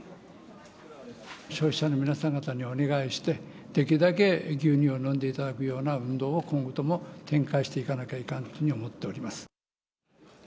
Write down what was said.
消費者の皆さん方にお願いして、できるだけ牛乳を飲んでいただくような運動を、今後とも展開していかなきゃいかんと思っております。